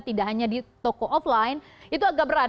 tidak hanya di toko offline itu agak berat